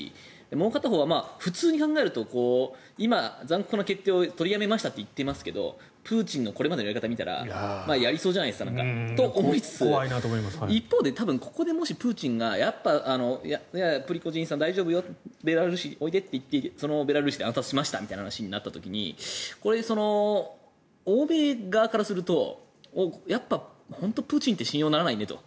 もう片方は普通に考えると今、残酷な決定を取り下げましたと言っていますがプーチンのこれまでのやり方を見たら、やりそうじゃないですかと思いつつ一方で多分ここでもしプーチンがプリゴジンさん大丈夫よベラルーシにおいでと言ってそのままベラルーシで暗殺しましたという話になった時に欧米側からするとやっぱり本当にプーチンって信用ならないねと。